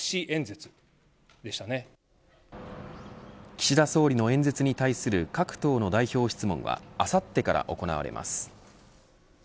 岸田総理の演説に対する各党の代表質問はあさってから行われます。